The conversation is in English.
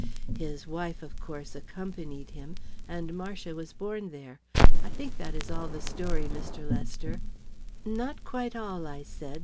His wife, of course, accompanied him, and Marcia was born there. I think that is all the story, Mr. Lester." "Not quite all," I said.